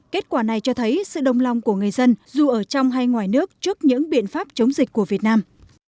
kết quả này cho thấy sự đồng lòng của người dân dù ở trong hay ngoài nước trước những biện pháp chống dịch của việt nam